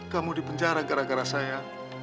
kamu dipenjara gara gara saya